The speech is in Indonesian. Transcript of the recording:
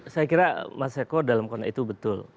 saya kira mas eko dalam konteks itu betul